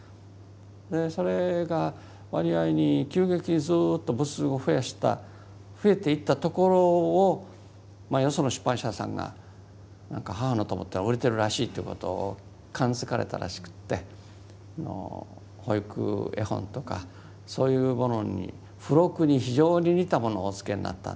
それが割合に急激にずっと部数を増やした増えていったところをよその出版社さんが何か「母の友」っていうのは売れてるらしいということを感づかれたらしくって保育絵本とかそういうものに付録に非常に似たものをお付けになったんです。